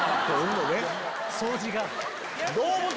掃除が。